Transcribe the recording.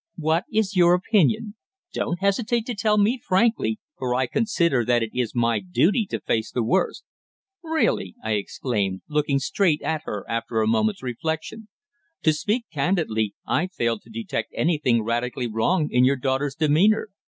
What is your opinion? Don't hesitate to tell me frankly, for I consider that it is my duty to face the worst." "Really!" I exclaimed, looking straight at her after a moment's reflection. "To speak candidly I failed to detect anything radically wrong in your daughter's demeanour."